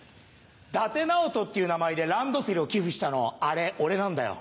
伊達直人っていう名前でランドセルを寄付したのアレオレなんだよ。